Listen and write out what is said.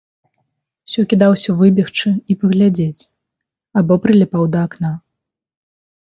Усё кідаўся выбегчы і паглядзець або прыліпаў да акна.